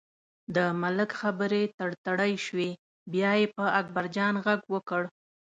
د ملک خبرې تړتړۍ شوې، بیا یې په اکبرجان غږ وکړ.